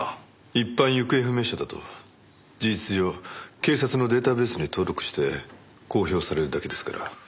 一般行方不明者だと事実上警察のデータベースに登録して公表されるだけですから。